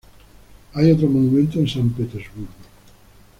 Hay otro monumento en San Petersburgo.